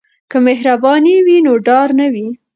که مهرباني وي نو ډار نه وي.